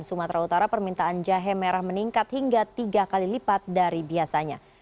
sumatera utara permintaan jahe merah meningkat hingga tiga kali lipat dari biasanya